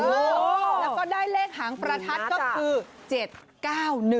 แล้วก็ได้เลขหางประทัดก็คือ๗๙๑